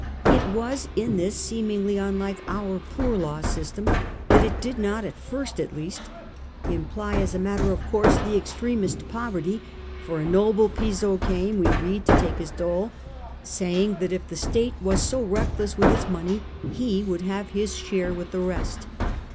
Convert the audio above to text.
It was in this seemingly unlike our Poor Law system, that it did not at first at least imply as a matter of course the extremest poverty, for a noble Piso came, we read, to take his dole, saying that if the state was so reckless with its money he would have his share with the rest.